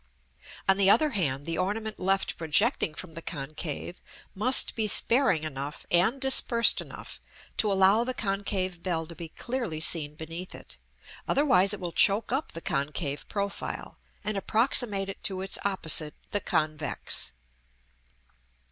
On the other hand, the ornament left projecting from the concave, must be sparing enough, and dispersed enough, to allow the concave bell to be clearly seen beneath it; otherwise it will choke up the concave profile, and approximate it to its opposite, the convex.